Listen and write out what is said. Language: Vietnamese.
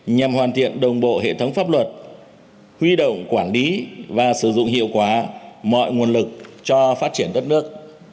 nhằm hoàn thiện đồng bộ hệ thống pháp luật huy động quản lý và sử dụng hiệu quả mọi nguồn lực cho phát triển đất nước